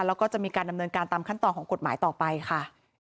แล้วก็จะมีการดำเนินการตามขั้นตอนของกฎหมายต่อไปค่ะ